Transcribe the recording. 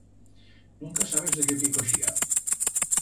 Nunca sabes de qué piet coixía!